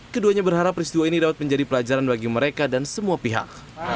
keduanya berharap peristiwa ini dapat menjadi pelajaran bagi mereka dan semua pihak